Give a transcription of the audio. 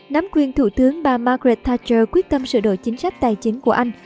nắm quyền thủ tướng bà margaret thatcher quyết tâm sửa đổi chính sách tài chính của anh